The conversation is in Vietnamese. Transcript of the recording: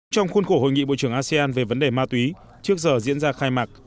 trong khuôn khổ hội nghị bộ trưởng asean về vấn đề ma túy trước giờ diễn ra khai mạc